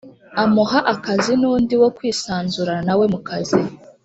Amuha akazi n undi wo kwisanzurana nawe mu kazi